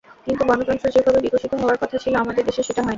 কিন্তু গণতন্ত্র যেভাবে বিকশিত হওয়ার কথা ছিল, আমাদের দেশে সেটা হয়নি।